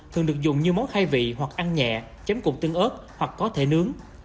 thường được dùng như món khai vị hoặc ăn nhẹ chấm cùng tương ớt hoặc có thể nướng